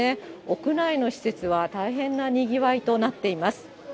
屋内の施設は大変なにぎわいとなっています。